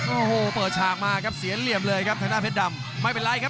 โอ้โหเปิดฉากมาแล้วเกรียดเหลี่ยมเลยถ้าแฟ้ดำ